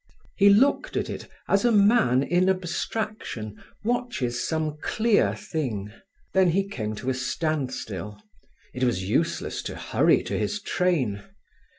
He looked at it as a man in abstraction watches some clear thing; then he came to a standstill. It was useless to hurry to his train.